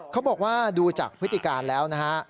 เขาบอกว่าดูจากพฤติการแล้วนะฮะ